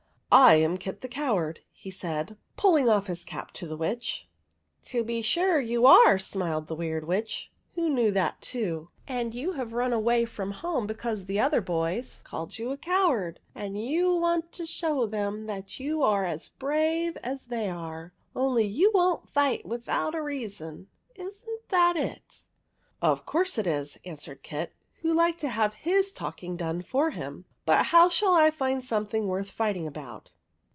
" I am Kit the Coward," he said, pulling off his cap to the Witch. OF THE WILLOW HERB 7 "To be sure you are," smiled the Weird Witch, who knew that too; "and you have run away from home because the other boys called you a coward, and you want to show them that you are as brave as they are, only you won't fight without a reason. Is n't that it?" ^'/'" Of course it is," answered Kit, who liked to have his talking done for him ;" but how shall I find something worth fighting about